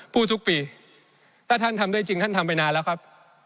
ทุกปีถ้าท่านทำได้จริงท่านทำไปนานแล้วครับ